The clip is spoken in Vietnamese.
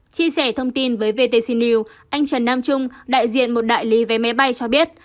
chia sẻ thông tin với vtc news anh trần nam trung đại diện một đại lý vé máy bay cho biết